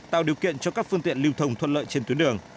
tạo điều kiện cho các phương tiện lưu thông thuận lợi trên tuyến đường